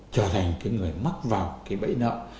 trở thành cái người mắc vào cái bẫy nợ